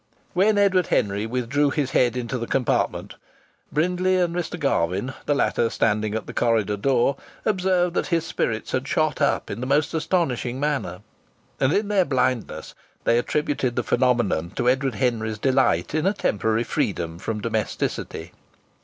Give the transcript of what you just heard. When Edward Henry withdrew his head into the compartment Brindley and Mr. Garvin, the latter standing at the corridor door, observed that his spirits had shot up in the most astonishing manner, and in their blindness they attributed the phenomenon to Edward Henry's delight in a temporary freedom from domesticity.